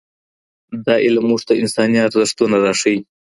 دا علم موږ ته انساني ارزښتونه راښيي.